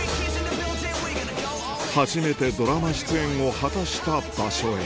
初めてドラマ出演を果たした場所へ